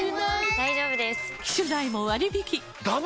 大丈夫です！